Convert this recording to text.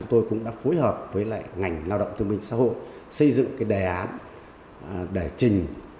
tôi cũng đã phối hợp với ngành lao động thương minh xã hội xây dựng đề án để trình